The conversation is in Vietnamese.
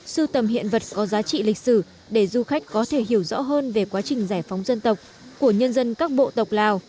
sưu tầm hiện vật có giá trị lịch sử để du khách có thể hiểu rõ hơn về quá trình giải phóng dân tộc của nhân dân các bộ tộc lào